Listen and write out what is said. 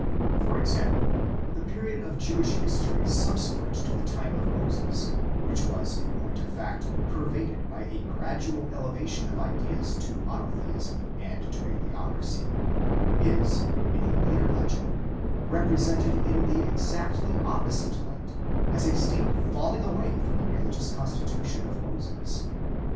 For example, the period of Jewish history subsequent to the time of Moses, which was in point of fact pervaded by a gradual elevation of ideas to monotheism and toa theocracy, is, ina later legend, represented in the exactly opposite light, as a state of falling away from the religious constitution of Moses.